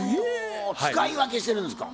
使い分けしてるんですか？